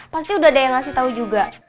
pasti udah ada yang ngasih tahu juga